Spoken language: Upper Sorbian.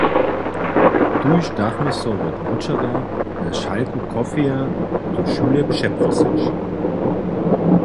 Tuž dachmy so wot wučerja na šalku kofeja do šule přeprosyć.